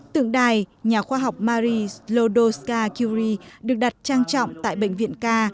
tượng đài nhà khoa học marie slodowska curie được đặt trang trọng tại bệnh viện k